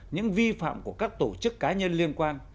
những vi phạm của các tổ chức cá nhân liên quan